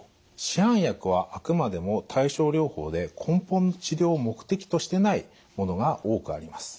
市販薬はあくまでも対症療法で根本の治療を目的としてないものが多くあります。